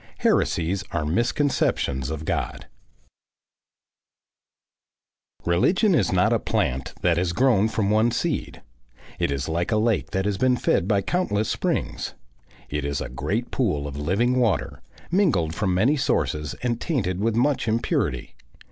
HERESIES ARE MISCONCEPTIONS OF GOD Religion is not a plant that has grown from one seed; it is like a lake that has been fed by countless springs. It is a great pool of living water, mingled from many sources and tainted with much impurity.